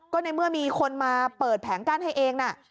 ก็ในเมื่อมีคนมาเปิดแผงกั้นให้เองนะ